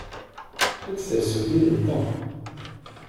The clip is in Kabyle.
Ad d-tasem yid-nteɣ!